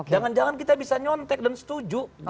jangan jangan kita bisa nyontek dan setuju